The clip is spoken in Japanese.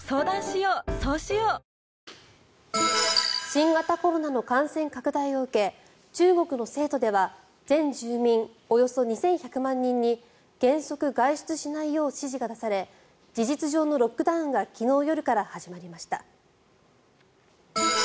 新型コロナの感染拡大を受け、中国の成都では全住民およそ２１００万人に原則外出しないよう指示が出され事実上のロックダウンが昨日夜から始まりました。